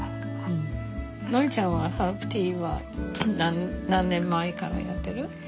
ノリちゃんはハーブティーは何年前からやってる？